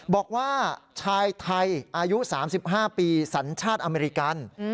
บอกว่าชายไทยอายุ๓๕ปีสัญชาติอเมริกัน